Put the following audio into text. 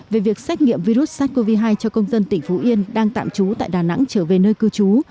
về việc xét nghiệm virus sars cov hai cho công dân tỉnh phú yên đang tạm trú tại đà nẵng trở về nơi cư trú